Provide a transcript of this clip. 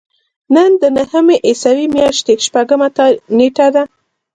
نن د نهمې عیسوي میاشتې شپږمه نېټه ده.